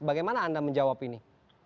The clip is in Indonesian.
bagaimana anda menjawab ini